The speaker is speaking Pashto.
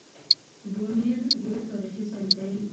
بونېر ډېر تاريخي ځای دی